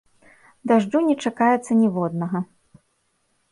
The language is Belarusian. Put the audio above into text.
Дажджу не чакаецца ніводнага.